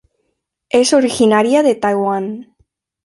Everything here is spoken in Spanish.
Es originaria de Taiwán.